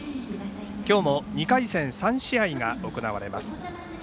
今日も２回戦３試合が行われます。